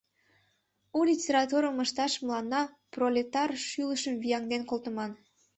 У литературым ышташ мыланна пролетар шӱлышым вияҥден колтыман.